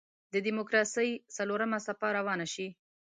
د دیموکراسۍ څلورمه څپه روانه شي.